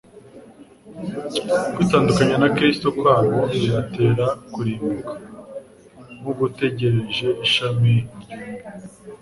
Kwitandukanya na Kristo kwabo bibatera kurimbuka nk'ugutegereje ishami ryumye.